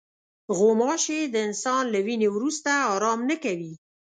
غوماشې د انسان له وینې وروسته آرام نه کوي.